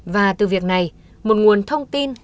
và từ việc này một nguồn thông tin